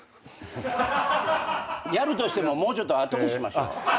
やるとしてももうちょっと後にしましょう。